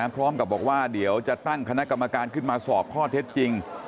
พร้อมกับบอกว่าเดี๋ยวจะตั้งคณะกรรมการขึ้นมาสอบข้อเท็จจริง